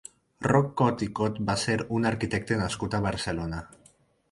Roc Cot i Cot va ser un arquitecte nascut a Barcelona.